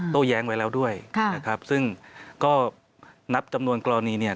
โต้แย้งไว้แล้วด้วยนะครับซึ่งก็นับจำนวนกรณีเนี่ย